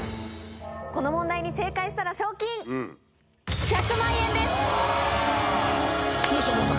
この問題に正解したら賞金１００万円です！